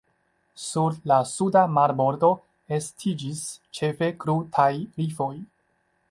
Sur la suda marbordo estiĝis ĉefe krutaj rifoj.